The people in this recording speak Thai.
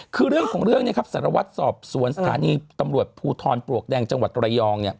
คือเรื่องของเรื่องนี้ครับสารวัตรสอบสวนสถานีตำรวจภูทรปลวกแดงจังหวัดตระยอง